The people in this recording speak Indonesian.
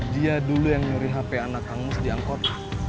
dia dulu yang nyuri hp anak kang mus diangkut